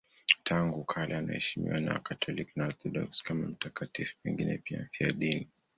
Tangu kale anaheshimiwa na Wakatoliki na Waorthodoksi kama mtakatifu, pengine pia mfiadini.